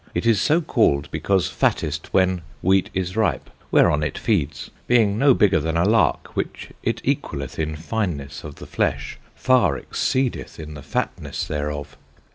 It is so called, because fattest when Wheat is ripe, whereon it feeds; being no bigger than a Lark, which it equalleth in fineness of the flesh, far exceedeth in the fatness thereof.